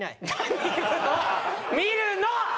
見るの！